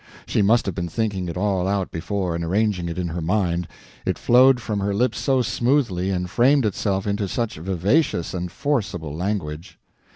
She must have been thinking it all out before and arranging it in her mind, it flowed from her lips so smoothly, and framed itself into such vivacious and forcible language.